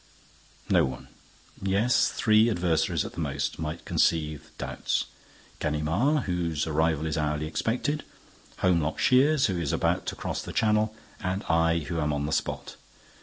No one? Yes—three adversaries, at the most, might conceive doubts: Ganimard, whose arrival is hourly expected; Holmlock Shears, who is about to cross the Channel; and I, who am on the spot.